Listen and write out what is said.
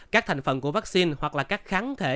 các thành phần của vaccine hoặc là các kháng thể